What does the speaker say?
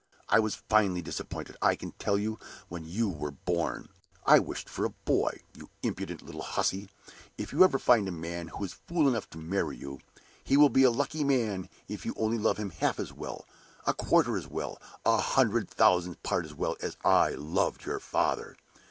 I was finely disappointed, I can tell you, when you were born I wished for a boy, you impudent hussy! If you ever find a man who is fool enough to marry you, he will be a lucky man if you only love him half as well, a quarter as well, a hundred thousandth part as well, as I loved your father.